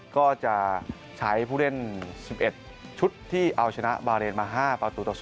ก็จะใช้ผู้เล่น๑๑ชุดที่เอาชนะบาเรนมา๕ประตูต่อ๒